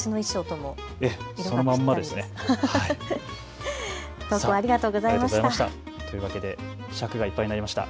投稿、ありがとうございました。